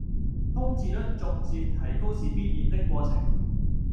空置率逐漸提高是必然的過程